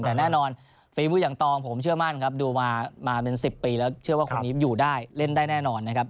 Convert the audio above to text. แต่แน่นอนฟีฟู้อย่างตองผมเชื่อมั่นครับดูมาเป็น๑๐ปีแล้วเชื่อว่าคนนี้อยู่ได้เล่นได้แน่นอนนะครับ